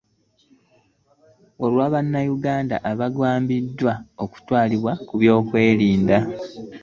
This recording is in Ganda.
Olwa Bannayuganda abagambibwa okutwalibwa ab'ebyokwerinda